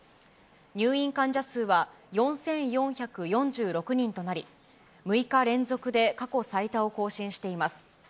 入院患者数は４４４６人となり、６日連続で過去最多を更新しています。